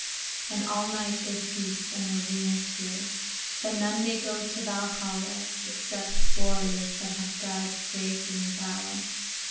And all night they feast, and their wounds heal. But none may go to Valhalla except warriors that have died bravely in battle.